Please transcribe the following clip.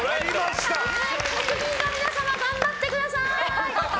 国民の皆さん頑張ってください！